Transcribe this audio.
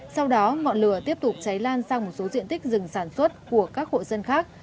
sau đó ngọn lửa tiếp tục cháy lan sang một số diện tích rừng sản xuất của các hộ dân khác